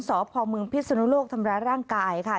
สพพพิทธิ์ศนลกทำร้ายร่างกายค่ะ